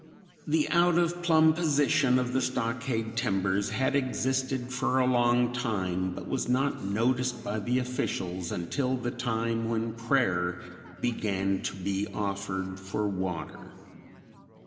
The out of plumb position of the stockade timbers had existed for a long time, but was not noticed by the officials until the time when prayer began to be offered for water.